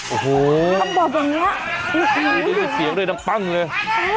โอ้โหต้องบอกแบบนี้